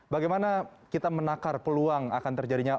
bagaimana kita menakar peluang akan terjadinya